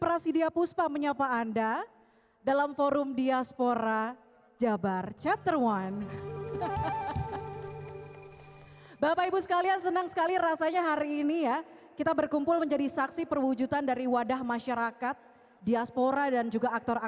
assalamualaikum warahmatullahi wabarakatuh